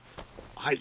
はい。